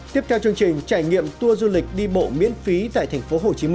tiếp theo chương trình trải nghiệm tour du lịch đi bộ miễn phí tại tp hcm